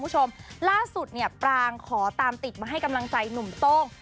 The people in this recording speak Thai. พูดชมล่าสุดปางขอตามติดมาให้กำลังใจหนุ่มต้ม